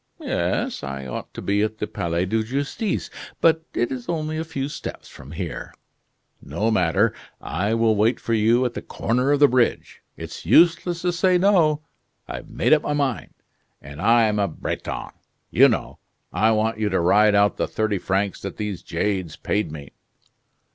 "Yes, I ought to be at the Palais de Justice; but it is only a few steps from here." "No matter. I will wait for you at the corner of the bridge. It's useless to say 'no'; I've made up my mind, and I'm a Breton, you know. I want you to ride out the thirty francs that those jades paid me."